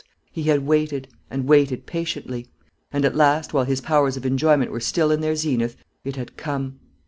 He had waited, and waited patiently; and at last, while his powers of enjoyment were still in their zenith, it had come.